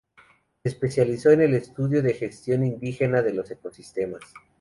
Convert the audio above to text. Se especializó en el estudio de la gestión indígena de los ecosistemas.